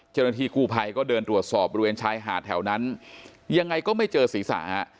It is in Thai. เจ้าหน้าที่กู้ภัยก็เดินตรวจสอบบริเวณชายหาดแถวนั้นยังไงก็ไม่เจอศีรษะฮะ